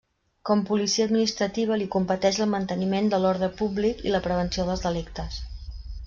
Com policia administrativa li competeix el manteniment de l'ordre públic i la prevenció dels delictes.